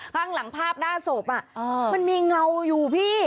ข้างหลังภาพหน้าศพมันมีเงาอยู่พี่